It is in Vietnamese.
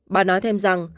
bà nói thêm rằng